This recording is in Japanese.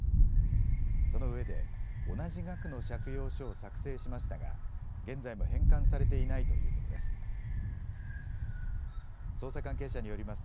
そのうえで同じ額の借用書を作成しましたが現在も返還されていないということです。